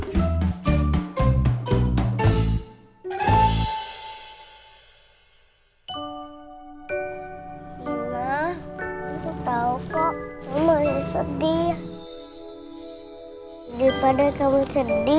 next pada aku